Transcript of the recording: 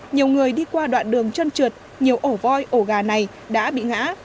nhiều người đi qua đoạn đường chân trượt nhiều ổ voi ổ gà này đã bị ngã